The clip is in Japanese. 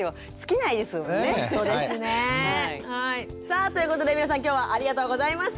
さあということで皆さん今日はありがとうございました。